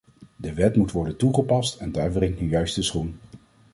De wet moet worden toegepast en daar wringt nu juist de schoen.